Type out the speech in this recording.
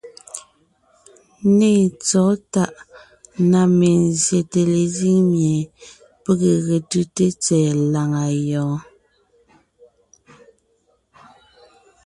Nê tsɔ̌ tàʼ na mezsyète lezíŋ mie pege ge tʉ́te tsɛ̀ɛ làŋa yɔɔn.